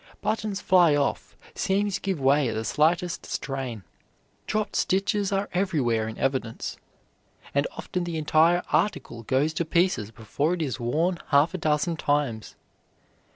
Buttons fly off, seams give way at the slightest strain, dropped stitches are everywhere in evidence, and often the entire article goes to pieces before it is worn half a dozen times.